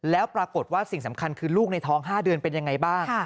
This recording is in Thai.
แล้วปรากฏว่าสิ่งสำคัญคือลูกในท้อง๕เดือนเป็นยังไงบ้าง